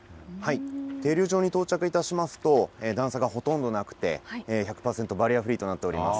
停留所に到着いたしますと、段差がほとんどなくて、１００％バリアフリーとなっています。